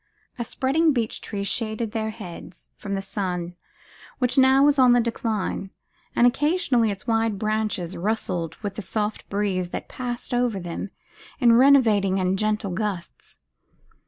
A spreading beech tree shaded their heads from the sun, which now was on the decline; and occasionally its wide branches rustled with the soft breeze that passed over them in renovating and gentle gusts.